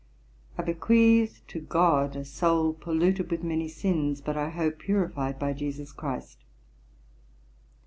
I bequeath to GOD, a soul polluted with many sins, but I hope purified by JESUS CHRIST.